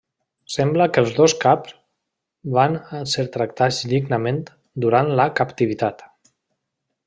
Sembla que els dos cap van ser tractats dignament durant la captivitat.